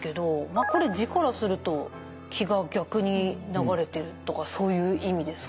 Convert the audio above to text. これ字からすると気が逆に流れてるとかそういう意味ですか？